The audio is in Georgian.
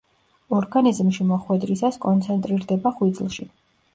ორგანიზმში მოხვედრისას კონცენტრირდება ღვიძლში.